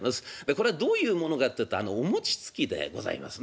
これはどういうものかっていうとあのお餅つきでございますね。